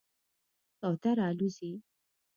کوتره الوځي.